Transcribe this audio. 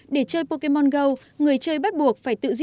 để chơi pokemon go người chơi bắt buộc phải tự giết